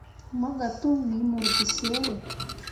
Mobga tokwii mur bicere.